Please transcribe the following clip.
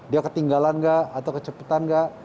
dia ketinggalan gak atau kecepatan gak